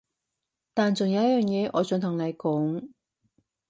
但仲有一樣嘢我想同你講